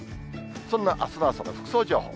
そんなあすの朝の服装情報。